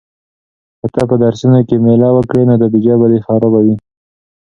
که ته په درسونو کې مېله وکړې نو نتیجه به دې خرابه وي.